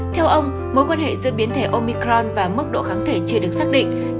theo ông mối quan hệ giữa biến thể omicron và mức độ kháng thể chưa được xác định